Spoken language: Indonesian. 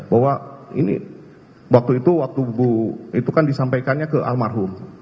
bahwa ini waktu itu waktu bu itu kan disampaikannya ke almarhum